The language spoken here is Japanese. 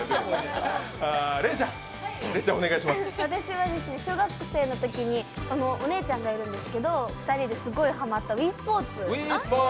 私は小学生のときに、お姉ちゃんがいるんですけど、二人ですっごいハマった「ＷｉｉＳｐｏｒｔｓ」。